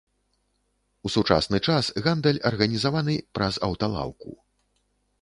У сучасны час гандаль арганізаваны праз аўталаўку.